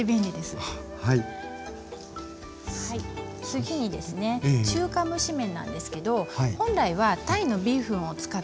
次にですね中華蒸し麺なんですけど本来はタイのビーフンを使うんですね。